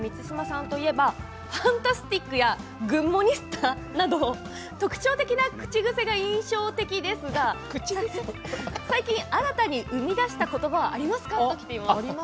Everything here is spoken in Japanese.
ファンタスティックやグッモニスタなど特徴的な口癖が印象的ですが最近、新たに生み出したことばはありますか？